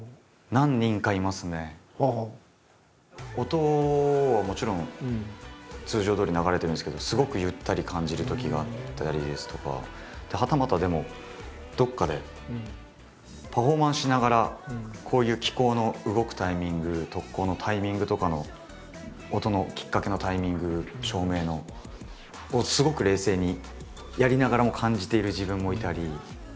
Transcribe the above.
音はもちろん通常どおり流れてるんですけどすごくゆったり感じるときがあったりですとかはたまたでもどっかでパフォーマンスしながらこういう機構の動くタイミング特効のタイミングとかの音のきっかけのタイミング照明のをすごく冷静にやりながらも感じている自分もいたり。